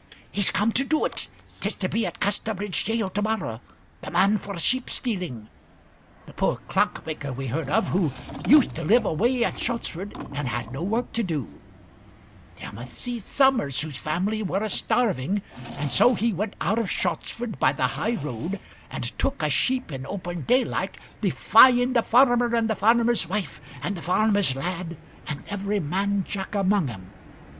"He's come to do it. 'T is to be at Casterbridge gaol to morrow the man for sheep stealing the poor clock maker we heard of, who used to live away at Anglebury and had no work to do Timothy Sommers, whose family were a starving, and so he went out of Anglebury by the highroad, and took a sheep in open daylight, defying the farmer and the farmer's wife and the farmer's man and every man Jack among 'em.